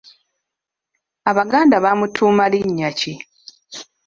Abaganda bamutuuma linnya ki?